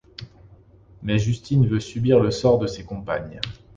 Mais Justine veut subir le sort de ses compagnes.